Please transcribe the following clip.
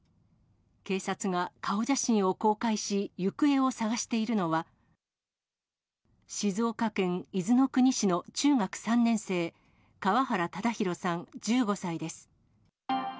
警察が顔写真を公開し、行方を捜しているのは、静岡県伊豆の国市の中学３年生、川原唯滉さん１５歳です。